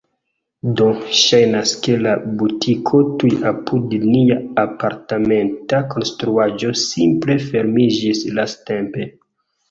Do, ŝajnas, ke la butiko tuj apud nia apartamenta konstruaĵo simple fermiĝis lastatempe